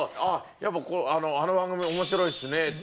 やっぱあの番組面白いですねって。